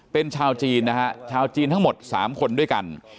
เป็นชาวจีนนะฮะชาวจีนทั้งหมด๓คนด้วยกัน